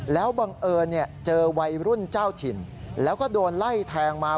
แล้วบังเอิญเจอวัยรุ่นเจ้าถิ่นแล้วก็โดนไล่แทงมา